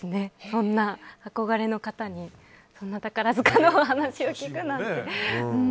そんな、憧れの方にそんな宝塚のお話を聞くなんて。